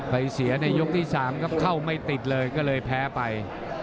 เสียในยกที่๓ครับเข้าไม่ติดเลยก็เลยแพ้ไป